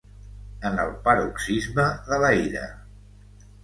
En el paroxisme de la ira.